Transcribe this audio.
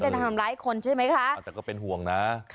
แต่ก็เป็นห่วงนะ